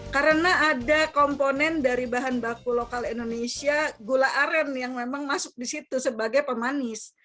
karena ada komponen dari bahan baku lokal indonesia gula aren yang memang masuk di situ sebagai pemanis